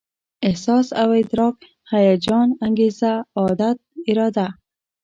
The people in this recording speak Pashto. احساس او ادراک، هيجان، انګېزه، عادت، اراده